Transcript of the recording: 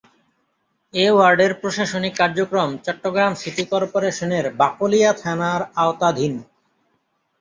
এ ওয়ার্ডের প্রশাসনিক কার্যক্রম চট্টগ্রাম সিটি কর্পোরেশনের বাকলিয়া থানার আওতাধীন।